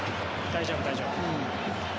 大丈夫、大丈夫。